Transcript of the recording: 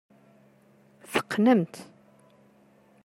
Teqqnemt.